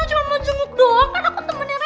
cuma mau cenguk doang kan aku temannya reva